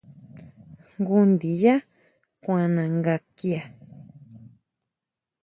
Jngu ndiyá kuana nga kia.